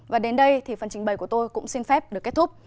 và đến đây thì phần trình bày của tôi cũng xin phép được kết thúc